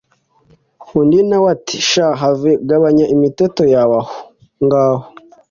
undi nawe ati sha have gabanya imiteto yawe aho ngaho